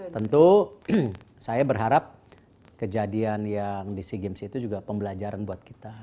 tentu saya berharap kejadian yang di sea games itu juga pembelajaran buat kita